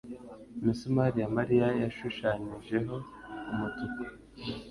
Imisumari ya Mariya yashushanyijeho umutuku.